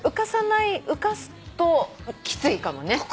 浮かすときついかもね。